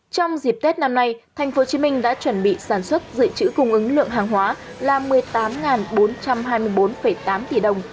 trong dịp tết năm nay thành phố hồ chí minh đã chuẩn bị sản xuất dự trữ cung ứng lượng hàng hóa là một mươi tám bốn trăm hai mươi bốn tám tỷ đồng